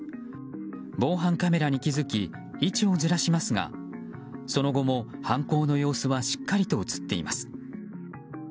防犯カメラに気づき位置をずらしますがその後も犯行の様子はしっかりと映っています。